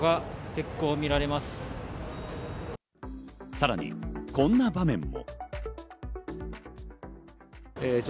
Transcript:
さらにこんな場面も。